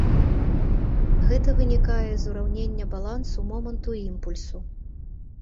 Гэта вынікае з ураўнення балансу моманту імпульсу.